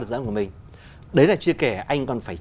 đấy là chia kẻ anh còn phải